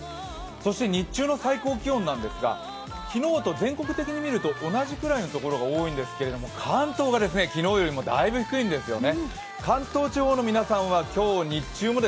そして日中の最高気温ですが、昨日と比べてみると同じくらいのところが多いんですけど関東は昨日よりもだいぶ低いんですね。